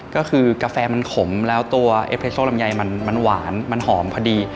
ก็คือกาแฟมันขมแล้วตัวเอเพโซลำไยมันหวานมันหอมพอดี